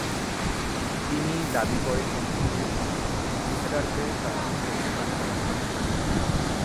তিনি দাবি করেন যে তিনি ক্রুসেডারদের কাছ থেকে ইসলামকে রক্ষা করছেন।